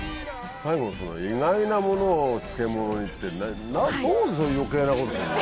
最後のその意外なものを漬物にってどうしてそういう余計なことすんの？